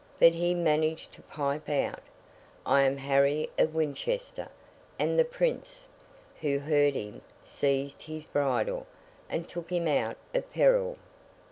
But he managed to pipe out, 'I am Harry of Winchester!' and the Prince, who heard him, seized his bridle, and took him out of peril.